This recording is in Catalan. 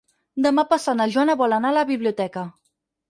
Demà passat na Joana vol anar a la biblioteca.